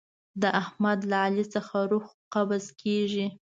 د احمد له علي څخه روح قبض کېږي.